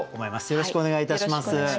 よろしくお願いします。